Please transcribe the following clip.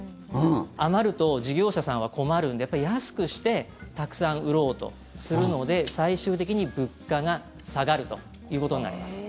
余ると事業者さんは困るんでやっぱり安くしてたくさん売ろうとするので最終的に物価が下がるということになります。